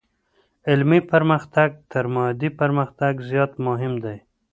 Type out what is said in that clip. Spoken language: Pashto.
علمي پرمختګ تر مادي پرمختګ زيات مهم دی.